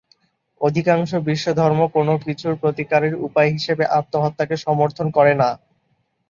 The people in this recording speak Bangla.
অধিকাংশ বিশ্বধর্ম কোনো কিছুর প্রতিকারের উপায় হিসেবে আত্মহত্যাকে সমর্থন করে না।